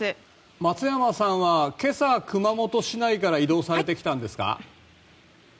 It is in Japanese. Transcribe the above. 松山さんは今朝熊本市内から移動されてきたんですか？